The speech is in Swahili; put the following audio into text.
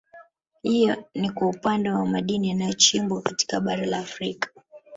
Hiyo ni kwa upande wa madini yanayochimbwa katika Bara la Afrika